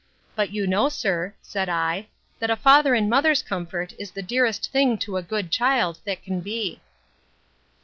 But, you know, sir, said I, that a father and mother's comfort is the dearest thing to a good child that can be.